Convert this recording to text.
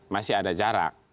masih ada jarak